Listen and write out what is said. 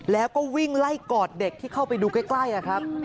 แล้วก็วิ่งไล่กอดเด็กที่เข้าไปดูใกล้ครับ